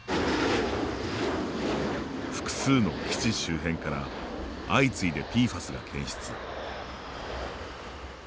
複数の基地周辺から相次いでＰＦＡＳが検出。